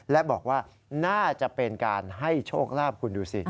และบอกว่าน่าจะเป็นการให้โชคลาภคุณดูสิ